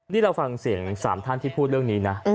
นี่เราฟังเสียง๓ท่านที่พูดเรื่องนี้นะ